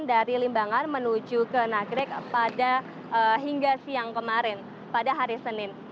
dari limbangan menuju ke nagrek pada hingga siang kemarin pada hari senin